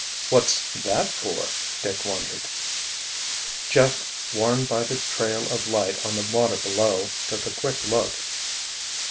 "What's that for?" Dick wondered. Jeff, warned by the trail of light on the water below, took a quick look.